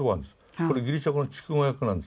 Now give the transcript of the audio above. これギリシャ語の逐語訳なんですよ。